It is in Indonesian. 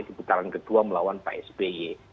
di putaran kedua melawan psby